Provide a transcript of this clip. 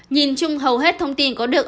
nhìn chung hầu hết thông tin có được